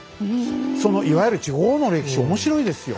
そのいわゆる地方の歴史面白いですよ。